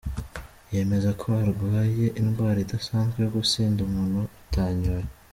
Yemeza ko arwaye indwara idasanzwe yo gusinda umuntu atanyoye.